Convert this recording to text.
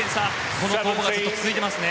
この攻防がずっと続いていますね。